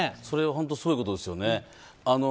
それは本当にすごいことですよね。